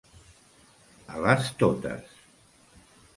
A les totes.